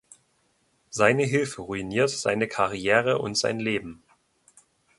Seine Hilfe ruiniert seine Karriere und sein Leben.